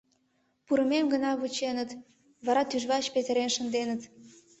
Пурымем гына вученыт, вара тӱжвач петырен шынденыт.